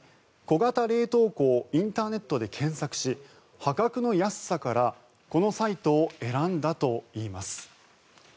小型冷凍庫をインターネットで検索し破格の安さからこのサイトを選んだといいます。